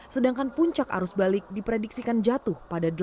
sedangkan puncak arus balik diprediksikan jatuh pada delapan mei